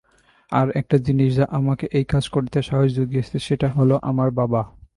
আর একটা জিনিস যা আমাকে এই কাজ করতে সাহস জুগিয়েছে সেটা হল আমার বাবা।